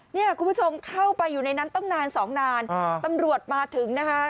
เนี่ยคุณผู้ชมเข้าไปอยู่ในนั้นตั้งนานสองนานตำรวจมาถึงนะคะ